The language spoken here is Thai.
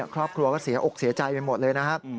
ครอบครัวก็เสียอกเสียใจไปหมดเลยนะครับ